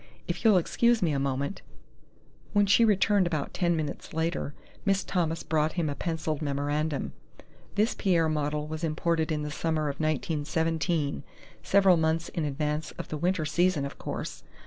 If you'll excuse me a moment " When she returned about ten minutes later, Miss Thomas brought him a pencilled memorandum. "This Pierre model was imported in the summer of 1917, several months in advance of the winter season, of course.